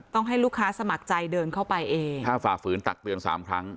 ให้ลูกค้าสมัครใจเดินเข้าไปเองถ้าฝ่าฝืนตักเตือนสามครั้ง